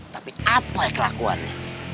tapi apa kelakuannya